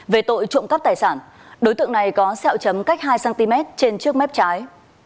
về tội trụng cấp tài sản đối tượng này có xeo chấm cách hai cm trên trước mép trái